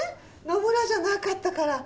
野村じゃなかったから。